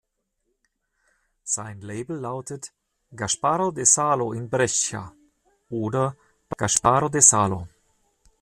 Sein Label lautet "Gasparo da Salo, In Brescia" oder "Gasparo da Salo".